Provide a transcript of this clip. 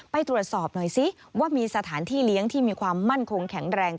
ไปตรวจสอบหน่อยซิว่ามีสถานที่เลี้ยงที่มีความมั่นคงแข็งแรง